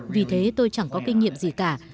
vì thế tôi chẳng có kinh nghiệm gì cả